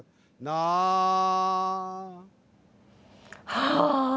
・はあ！